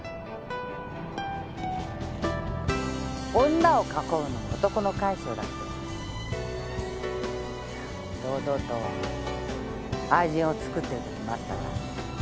女を囲うのも男のかい性だって堂々と愛人をつくってるときもあったわ。